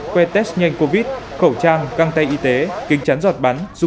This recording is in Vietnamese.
que test nhanh covid khẩu trang găng tay y tế kính chắn giọt bắn